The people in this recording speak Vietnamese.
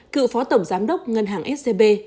cựu phó tổng giám đốc ngân hàng scb